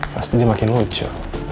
pasti dia makin lucu